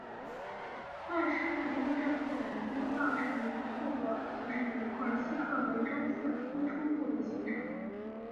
曼施坦因的这次反击造成的一个后果就是以库尔斯克为中心的突出部的形成。